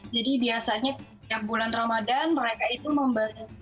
jadi biasanya setiap bulan ramadhan mereka itu memberikan